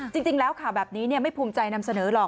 จริงแล้วข่าวแบบนี้ไม่ภูมิใจนำเสนอหรอก